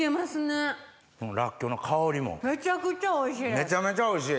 めちゃめちゃおいしい。